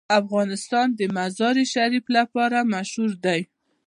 افغانستان د مزارشریف لپاره مشهور دی.